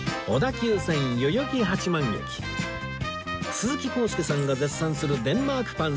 鈴木浩介さんが絶賛するデンマークパン